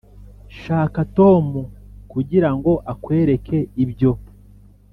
shaka tom kugirango akwereke ibyo.